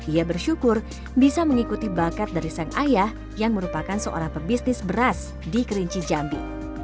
ia bersyukur bisa mengikuti bakat dari sang ayah yang merupakan seorang pebisnis beras di kerinci jambi